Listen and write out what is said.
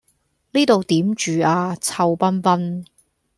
呢度點住呀臭崩崩